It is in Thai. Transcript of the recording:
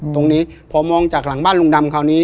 ตรงนี้พอมองจากหลังบ้านลุงดำคราวนี้